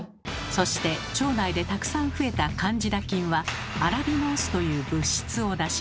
そして腸内でたくさん増えたカンジダ菌はアラビノースという物質を出します。